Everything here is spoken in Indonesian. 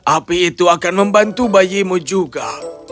api itu akan membantu bayimu juga